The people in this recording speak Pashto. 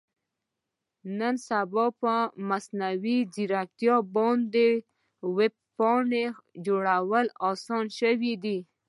نن سبا په مصنوي ځیرکتیا باندې ویب پاڼه جوړول اسانه شوي دي.